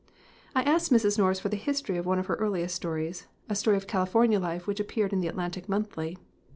I asked Mrs. Norris for the history of one of her earliest stories, a story of California life which appeared in the Atlantic Monthly.